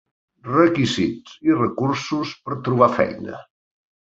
Requisits i recursos per trobar feina.